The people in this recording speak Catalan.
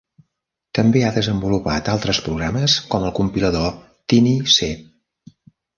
També ha desenvolupat altres programes, com el compilador Tiny C.